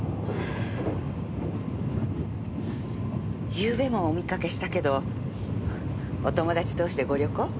ゆうべもお見かけしたけどお友達同士でご旅行？